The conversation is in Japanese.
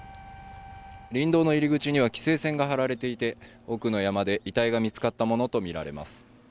林道の入り口には規制線が張られていて、奥の山で遺体が見つかったものとみられます。